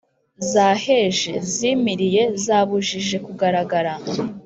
zaheje: zimiriye, zabujije kugaragara